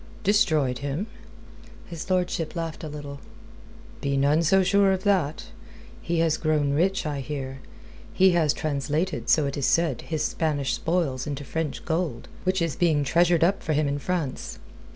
"Destroyed him?" His lordship laughed a little. "Be none so sure of that. He has grown rich, I hear. He has translated, so it is said, his Spanish spoils into French gold, which is being treasured up for him in France.